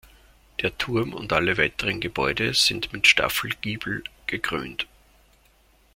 Der Turm und alle weiteren Gebäude sind mit Staffelgiebel gekrönt.